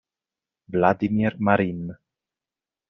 Vladimir Marín